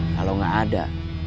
kalau gak ada